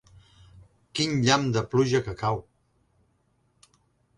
Quin llamp de pluja que cau!